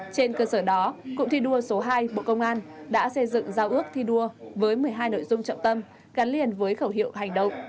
trên cơ sở đó cụm thi đua số hai bộ công an đã xây dựng giao ước thi đua với một mươi hai nội dung trọng tâm gắn liền với khẩu hiệu hành động